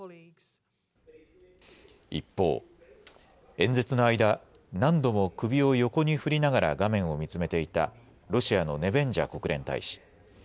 一方、演説の間、何度も首を横に振りながら画面を見つめていたロシアのネベンジャ国連大使。